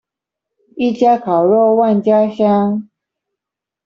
一家烤肉萬家香